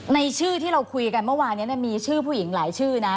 ในชื่อที่เราคุยกันเมื่อวานนี้มีชื่อผู้หญิงหลายชื่อนะ